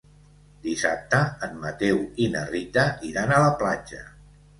Dissabte en Mateu i na Rita iran a la platja.